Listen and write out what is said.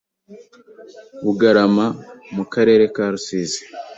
Bugarama mu karere ka Rusizi